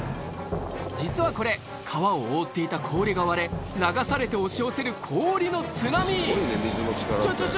実はこれ川を覆っていた氷が割れ流されて押し寄せる氷の津波ちょちょちょ